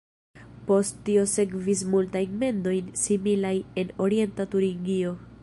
Post tio sekvis multaj mendoj similaj en Orienta Turingio.